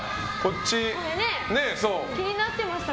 気になってました。